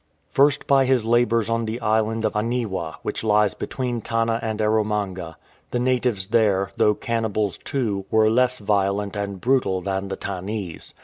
First by his labours on the island of Aniwa, which lies between Tanna and Erromanga. The natives there, though cannibals too, were less violent and brutal than the Tannese.